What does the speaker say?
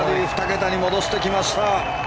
２桁に戻してきました！